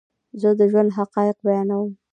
زه دژوند حقایق بیانوم